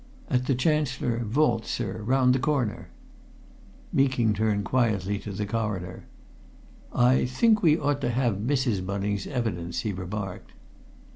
"At the Chancellor Vaults, sir round the corner." Meeking turned quietly to the Coroner. "I think we ought to have Mrs. Bunning's evidence," he remarked.